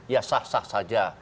ya sah sah saja